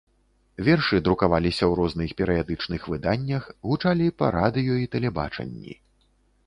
Вершы друкаваліся ў розных перыядычных выданнях, гучалі па радыё і тэлебачанні.